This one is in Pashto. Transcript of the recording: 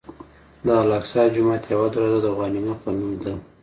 د الاقصی جومات یوه دروازه د غوانمه په نوم ده.